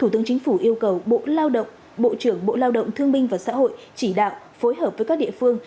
thủ tướng chính phủ yêu cầu bộ lao động bộ trưởng bộ lao động thương minh và xã hội chỉ đạo phối hợp với các địa phương